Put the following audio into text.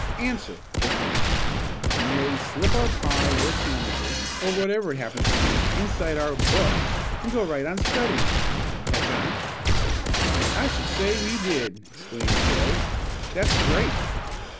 "Answer," broke in Peaches. "We merely slip our pie or sandwiches or whatever it happens to be, inside our 'books,' and go right on studying. Catch on?" "I should say we did!" exclaimed Joe. "That's great!"